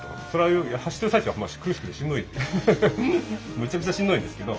むちゃくちゃしんどいんですけど